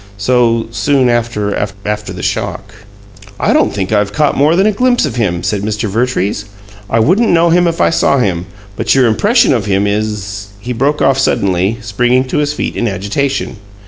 "So soon after after the the shock." "I don't think I've caught more than a glimpse of him," said Mr. Vertrees. "I wouldn't know him if I saw him, but your impression of him is " He broke off suddenly, springing to his feet in agitation.